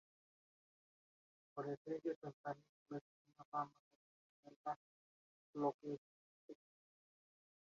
Las inflorescencias en panículas, tiene ramas adjuntas al vástago, por lo que es estrecha.